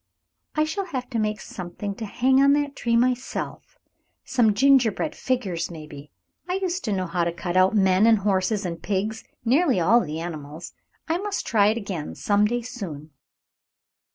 "I shall have to make something to hang on that tree myself; some gingerbread figures, maybe. I used to know how to cut out men and horses and pigs, nearly all the animals. I must try it again some day soon."